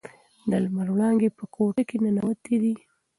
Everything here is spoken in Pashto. د لمر وړانګې په کوټه کې ننووتې دي.